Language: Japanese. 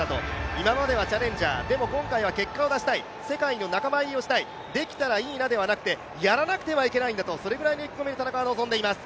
今まではチャレンジャー、でも今回は結果を出したい、世界の仲間入りをしたい、できたらいいなではなくて、やらなくてはいけないんだと、それぐらいの意気込みで戦いを臨んでいます。